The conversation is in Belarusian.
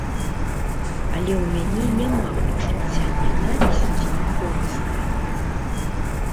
Але ў мяне няма пачуцця нянавісці і помсты.